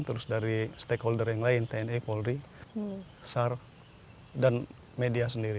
terus dari stakeholder yang lain tni polri sar dan media sendiri